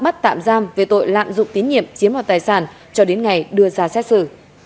bắt tạm giam về tội lạm dụng tín nhiệm chiếm đoạt tài sản cho đến ngày đưa ra xét xử